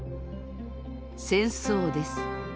戦争です。